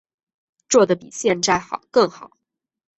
做得比现在更好